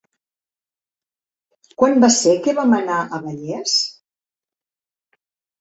Quan va ser que vam anar a Vallés?